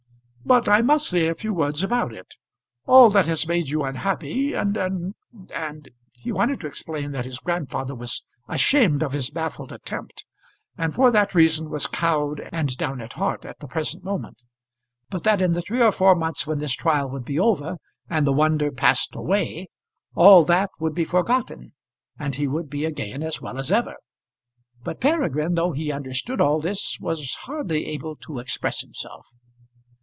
"But I must say a few words about it. All that has made you unhappy, and and and " He wanted to explain that his grandfather was ashamed of his baffled attempt, and for that reason was cowed and down at heart at the present moment; but that in the three or four months when this trial would be over and the wonder passed away, all that would be forgotten, and he would be again as well as ever. But Peregrine, though he understood all this, was hardly able to express himself.